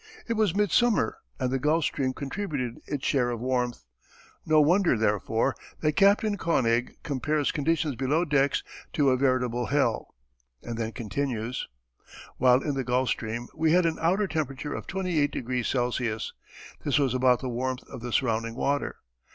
It was midsummer and the Gulf Stream contributed its share of warmth. No wonder, therefore, that Captain König compares conditions below decks to a "veritable hell," and then continues: While in the Gulf Stream we had an outer temperature of 28° Celsius. This was about the warmth of the surrounding water.